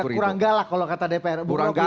jadi agak kurang galak kalau kata dpr